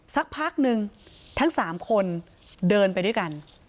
สักพักนึงทั้ง๓คนเดินไปด้วยกัน